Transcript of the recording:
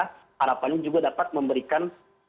harapannya juga dapat memberikan